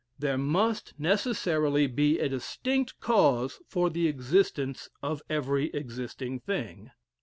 There must necessarily be a distinct cause for the existence of every existing thing.